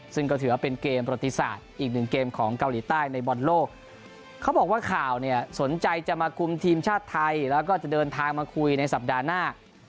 ซึ่งก็ถือว่าเป็นเกมประติศาสตร์อีกหนึ่งเกมของเกาหลีใต้ในบอลโลกเขาบอกว่าข่าวเนี่ยสนใจจะมาคุมทีมชาติไทยแล้วก็จะเดินทางมาคุยในสัปดาห์หน้า